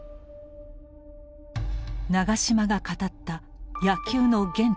長嶋が語った野球の原点。